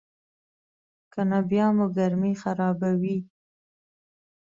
کنه بیا مو ګرمي خرابوي.